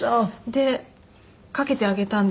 でかけてあげたんです。